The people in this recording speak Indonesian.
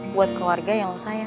buat keluarga yang lo sayang